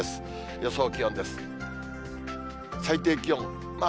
予想気温です。